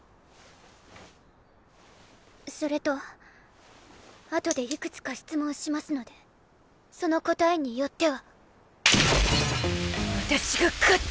それとあとでいくつか質問しますのでその答えによっては。バキッ！